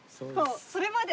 それまで。